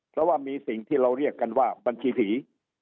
เพราะว่ามีสิ่งที่เราเรียกกันว่าบัญชีผี